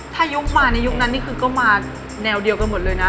ถ้ายกมาในยุคนั้นนี่คือก็มาแนวเดียวกันหมดเลยนะ